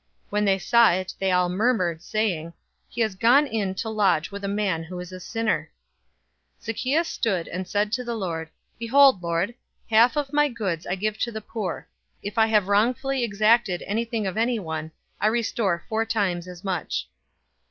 019:007 When they saw it, they all murmured, saying, "He has gone in to lodge with a man who is a sinner." 019:008 Zacchaeus stood and said to the Lord, "Behold, Lord, half of my goods I give to the poor. If I have wrongfully exacted anything of anyone, I restore four times as much."